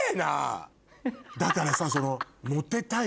だからさその。